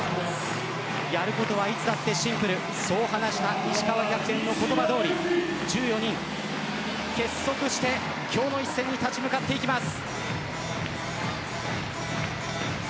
やることはいつだってシンプルそう話した石川キャプテンの言葉どおり１４人、結束して今日の一戦に立ち向かっていきます。